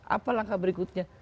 apa langkah berikutnya